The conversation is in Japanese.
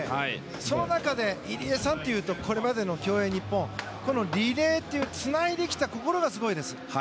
その中で入江さんというとこれまでの競泳日本リレーというつないできた心がすごいです。